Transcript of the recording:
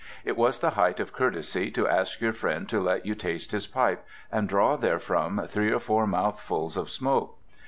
It was the height of courtesy to ask your friend to let you taste his pipe, and draw therefrom three or four mouthfuls of smoke.